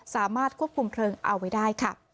สามารถควบคุมเพลิงเอาไว้ได้ค่ะ